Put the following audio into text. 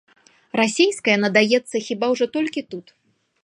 Расейская надаецца хіба ўжо толькі тут.